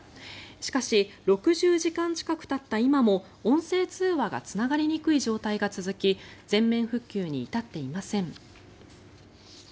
しかし６０時間近くたった今も音声通話がつながりにくい状態が続き全面復旧に至っていません。